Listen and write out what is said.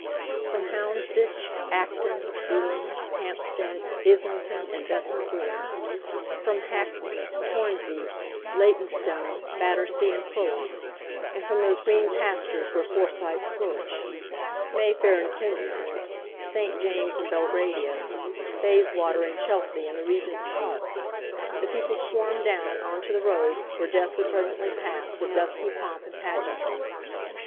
From Houndsditch, Acton, Ealing, Hampstead, Islington, and Bethnal Green; from Hackney, Hornsey, Leytonstone, Battersea, and Fulham; and from those green pastures where Forsytes flourish—Mayfair and Kensington, St. James' and Belgravia, Bayswater and Chelsea and the Regent's Park, the people swarmed down on to the roads where death would presently pass with dusky pomp and pageantry.